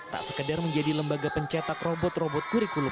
tak sekedar menjadi lembaga pencetak robot robot kurikulum